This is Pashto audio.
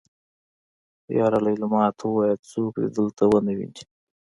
يره ليلما ته وايه څوک دې دلته ونه ويني.